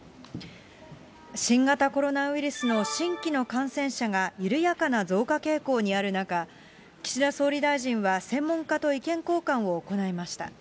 新型コロナウイルスの新規の感染者が緩やかな増加傾向にある中、岸田総理大臣は専門家と意見交換を行いました。